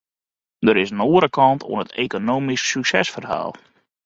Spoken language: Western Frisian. Der is in oare kant oan it ekonomysk suksesferhaal.